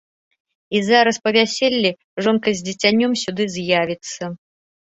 І зараз па вяселлі жонка з дзіцянём сюды з'явіцца.